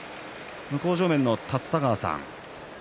向正面の立田川さん。